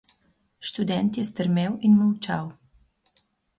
Študent je strmel in molčal.